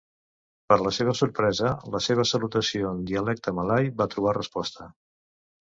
Per la seva sorpresa, la seva salutació en dialecte malai va trobar resposta.